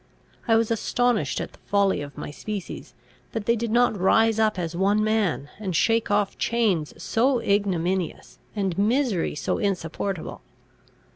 I was astonished at the folly of my species, that they did not rise up as one man, and shake off chains so ignominious, and misery so insupportable.